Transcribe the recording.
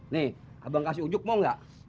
nih abang kasih ujuk mau nggak